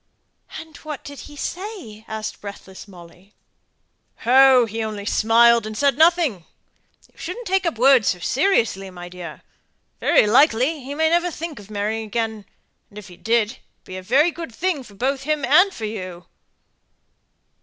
"And what did he say?" asked breathless Molly. "Oh: he only smiled and said nothing. You shouldn't take up words so seriously, my dear. Very likely he may never think of marrying again, and if he did, it would be a very good thing both for him and for you!"